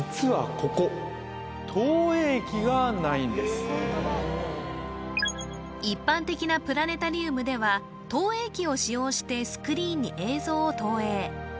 すごい一般的なプラネタリウムでは投映機を使用してスクリーンに映像を投影